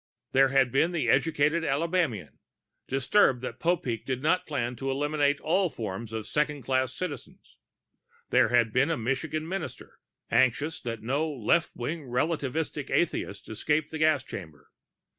There had been the educated Alabamian, disturbed that Popeek did not plan to eliminate all forms of second class citizens; there had been the Michigan minister, anxious that no left wing relativistic atheists escape the gas chamber.